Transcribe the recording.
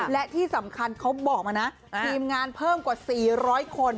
และที่สำคัญเขาบอกมานะทีมงานเพิ่มกว่า๔๐๐คน